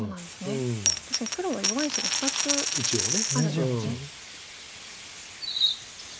確かに黒は弱い石が２つあるんですね。